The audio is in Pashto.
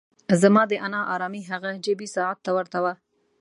زما دا نا ارامي هغه جیبي ساعت ته ورته وه.